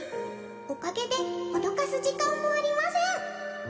「おかげでおどかす時間もありません」